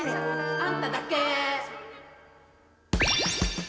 あんただけ。